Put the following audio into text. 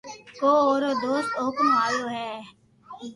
ڪو اورو دوست او ڪنو آويو ھي